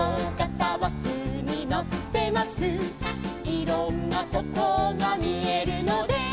「いろんなとこがみえるので」